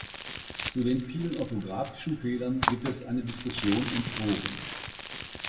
Zu den vielen orthografischen Fehlern gibt es eine Diskussion im Forum.